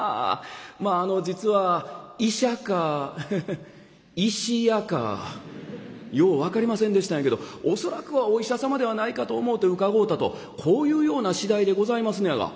まああの実は医者か石屋かよう分かりませんでしたんやけど恐らくはお医者様ではないかと思うて伺うたとこういうような次第でございますねやが」。